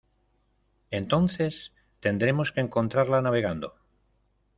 entonces tendremos que encontrarla navegando.